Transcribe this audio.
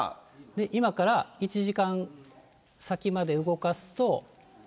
今から１時間先まで動かすと。